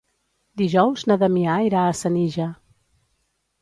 Dijous na Damià irà a Senija.